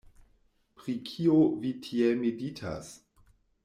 Pri kio vi tiel meditas?